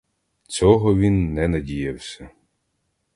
Цього він не надіявся.